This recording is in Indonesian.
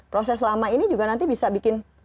proses lama ini juga nanti bisa bikin